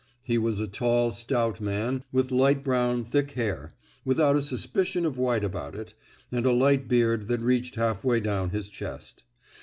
He was a tall, stout man, with light brown thick hair, without a suspicion of white about it, and a light beard that reached half way down his chest.